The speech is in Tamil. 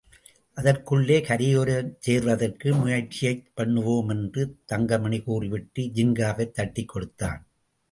அதற்குள்ளே கரையைச் சேருவதற்கு முயற்சி பண்ணுவோம் என்று தங்கமணி கூறிவிட்டு, ஜின்காவைத் தட்டிக் கொடுத்தான்.